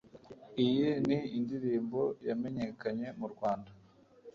Iyi ni indirimbo yamenyekanye mu Rwanda